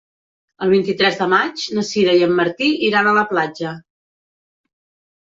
El vint-i-tres de maig na Sira i en Martí iran a la platja.